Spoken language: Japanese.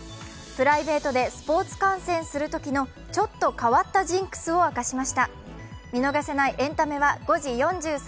プライベートでスポーツ観戦するときのちょっと変わったジンクスを明かしました。